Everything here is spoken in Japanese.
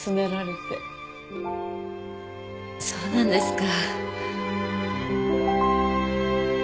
そうなんですか。